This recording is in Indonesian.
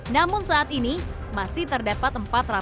namun saat ini masih terdapat